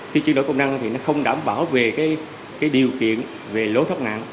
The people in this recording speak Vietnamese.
khi chuyển đổi công năng không đảm bảo về điều kiện về lối thoát nạn